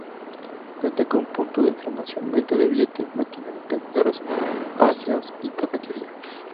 Cuenta con puntos de información, venta de billetes, máquinas expendedoras, aseos y cafetería.